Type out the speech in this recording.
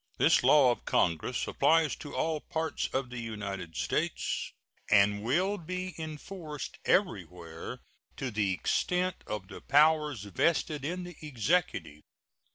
This law of Congress applies to all parts of the United States and will be enforced everywhere to the extent of the powers vested in the Executive.